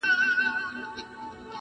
قاضي ډېر قهر نیولی دئ سړي ته,